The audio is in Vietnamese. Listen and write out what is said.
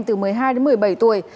từ một mươi hai đến một mươi bảy tuổi